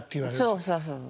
そうそうそうそう。